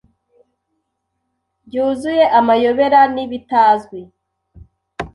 Byuzuye amayobera nibitazwi